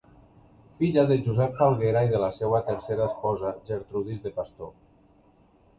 Filla de Josep Falguera i de la seva tercera esposa Gertrudis de Pastor.